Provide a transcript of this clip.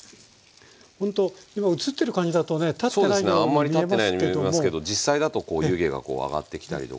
あんま立ってないように見えますけど実際だとこう湯気がこう上がってきたりとか。